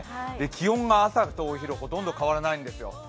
気温が朝とお昼ほとんど変わらないんですよ。